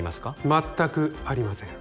全くありません